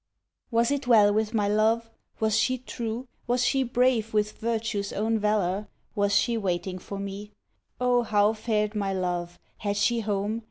Was it well with my love? Was she true? Was she brave With virtue’s own valor? Was she waiting for me? O, how fared my love! Had she home?